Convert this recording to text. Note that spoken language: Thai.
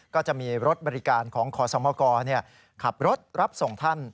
ก็จะมีรถบริการของขอสมกขับรถรับส่งท่าน